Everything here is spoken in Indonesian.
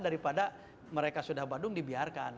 daripada mereka sudah badung dibiarkan